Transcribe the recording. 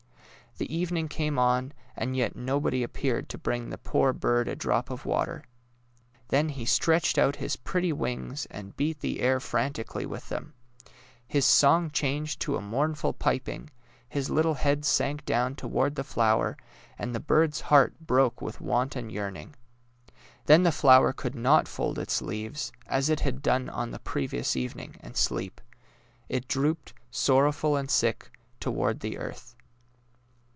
The evening came on, and yet nobody ap peared to bring the poor bird a drop of water. Then he stretched out his pretty wings and beat the air frantically with them; his song changed to a mournful piping, his little head sank down toward the flower, and the bird's heart broke with want and yearning. Then the flower could not fold its leaves, as it had done on the previous evening, and sleep; it drooped, sorrowful and sick, toward the earth.